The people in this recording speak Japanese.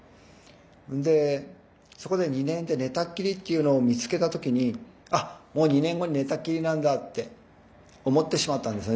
でそこで２年で寝たっきりっていうのを見つけた時に「あっもう２年後に寝たっきりなんだ」って思ってしまったんですね